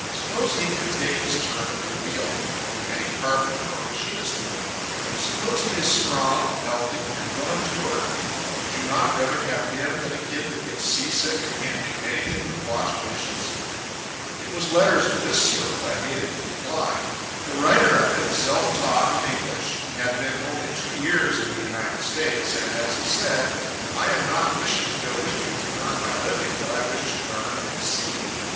Suppose he could take his turn at the wheel, could do any carpenter or machinist work. Suppose he is strong, healthy, and willing to work. Would you not rather have him than a kid that gets seasick and can't do anything but wash dishes?" It was letters of this sort that I hated to decline. The writer of it, self taught in English, had been only two years in the United States, and, as he said, "I am not wishing to go with you to earn my living, but I wish to learn and see."